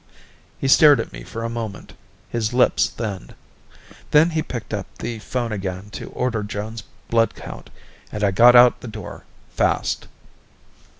He stared at me for a moment, his lips thinned. Then he picked up the phone again to order Joan's blood count, and I got out the door, fast.